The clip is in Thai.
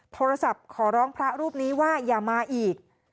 โทรศัพท์ขอร้องพระรูปนี้ว่าอย่ามาอีก